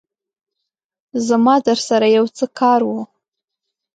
زما درسره يو څه کار وو